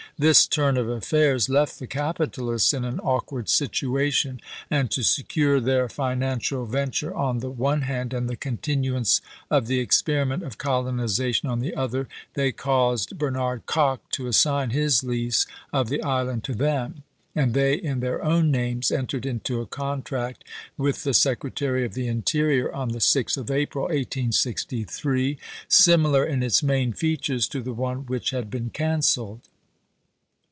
This turn of affairs left the capitalists in an awkward situation ; and to secure their financial venture on the one hand, and the continuance of the experiment of colonization on the other, they caused Bernard Kock to assign his lease of the island to them, and they in their own names entered into a contract with the Secretary of the Interior, on the 6th of April, 1863, similar in its main features to the one which had been canceled.